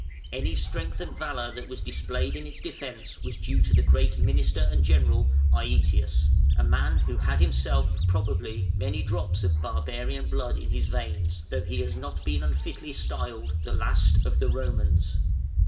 Any strength and valour that was displayed in its defence was due to the great minister and general, Aëtius, a man who had himself, probably, many drops of barbarian blood in his veins, though he has been not unfitly styled "the last of the Romans".